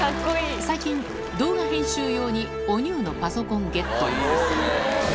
最近、動画編集用におニューのパソコンゲット。